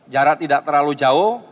jarak tidak terlalu jauh